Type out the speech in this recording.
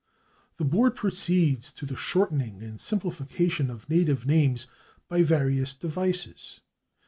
The Board proceeds to the shortening and simplification of native names by various devices.